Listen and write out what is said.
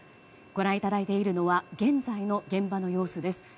ご覧いただいているのは現在の現場の様子です。